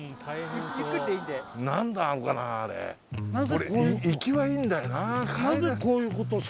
俺行きはいいんだよな。